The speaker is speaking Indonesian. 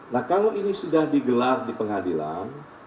nah kalau ini sudah digelar di pengadilan